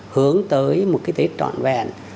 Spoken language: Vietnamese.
hướng tới một cái tết trọn vẹn